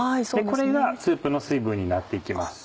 これがスープの水分になって行きます。